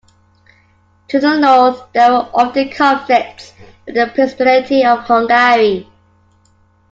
To the north there were often conflicts with the Principality of Hungary.